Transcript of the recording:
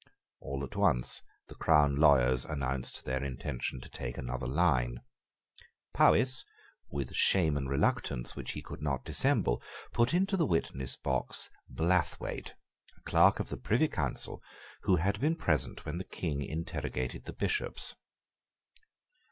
All at once the crown lawyers announced their intention to take another line. Powis, with shame and reluctance which he could not dissemble, put into the witness box Blathwayt, a Clerk of the Privy Council, who had been present when the King interrogated the Bishops.